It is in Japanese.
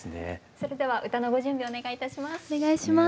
それでは歌のご準備お願いいたします。